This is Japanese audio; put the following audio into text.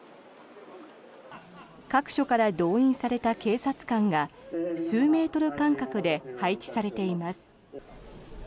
各署から動員された警察官が数メートル間隔で配置されています。